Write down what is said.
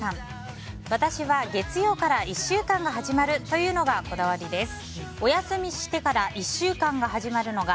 私は、月曜から１週間が始まるというのがこだわりです。